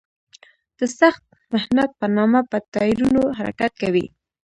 د سخت محنت په نامه په ټایرونو حرکت کوي.